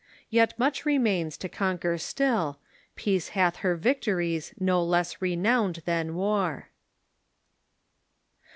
Yet much remains To conquer still ; peace hath her victories No less renowned than war."